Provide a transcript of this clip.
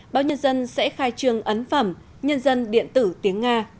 báo nhân dân sẽ khai trương ấn phẩm nhân dân điện tử tiếng nga